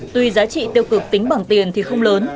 tuy giá trị tiêu cực tính bằng tiền thì không lớn